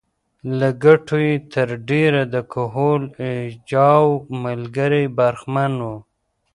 له ګټو یې تر ډېره د کهول اجاو ملګري برخمن وو.